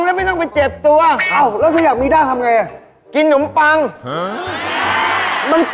แล้วมันจะทำให้หนาอ้วน